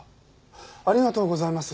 ありがとうございます。